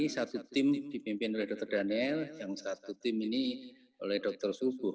satu tim dipimpin oleh dr daniel yang satu tim ini oleh dr subuh